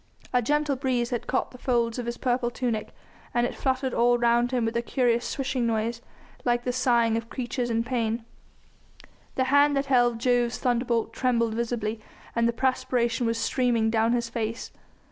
A gentle breeze had caught the folds of his purple tunic, and it fluttered all round him with a curious swishing noise, like the sighing of creatures in pain. The hand that held Jove's thunderbolt trembled visibly, and the perspiration was streaming down his face.